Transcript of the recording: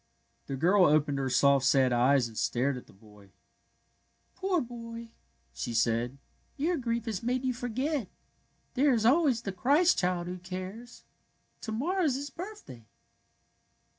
The girl opened her soft, sad eyes and stared at the boy. '^ Poor boy! " she said. " Your grief has made you forget. There is always the Christ Child who cares. To morrow is His birthday."